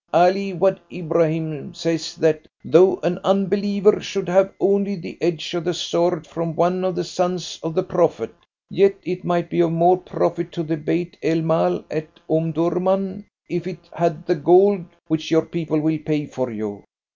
"Ali Wad Ibrahim says that though an unbeliever should have only the edge of the sword from one of the sons of the Prophet, yet it might be of more profit to the beit el mal at Omdurman if it had the gold which your people will pay for you.